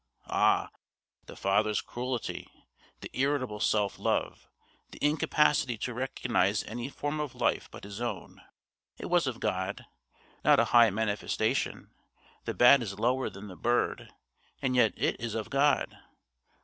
Ah! the father's cruelty, the irritable self love, the incapacity to recognise any form of life but his own, it was of God, not a high manifestation: the bat is lower than the bird, and yet it is of God.